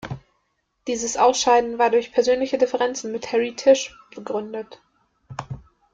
Dieses Ausscheiden war durch persönliche Differenzen mit Harry Tisch begründet.